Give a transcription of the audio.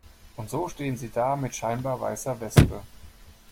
Und so stehen sie da mit scheinbar weißer Weste.